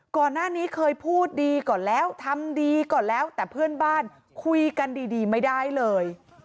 ก่อนหน้านี้เคยพูดดีก่อนแล้วทำดีก่อนแล้วแต่เพื่อนบ้านคุยกันดีไม่ได้เลย